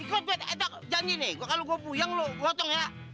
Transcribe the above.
ikut bet eh jangan gini kalau gue puyeng lo potong ya